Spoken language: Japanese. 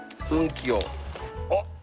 あっ！